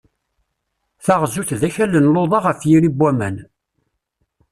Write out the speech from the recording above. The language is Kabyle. Taɣzut d akal n luḍa ɣef yiri n waman.